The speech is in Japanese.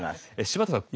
柴田さん